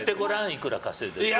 いくら稼いでるか。